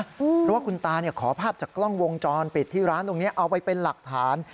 เพราะว่าคุณตาขอภาพจากกล้องวงจรปิดที่ร้านตรงนี้เอาไปเป็นหลักฐาน